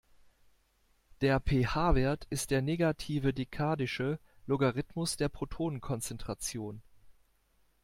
Der pH-Wert ist der negative dekadische Logarithmus der Protonenkonzentration.